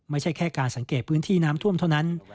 ไม่ใช่แค่การสังเกตพื้นที่น้ำท่วมเท่านั้น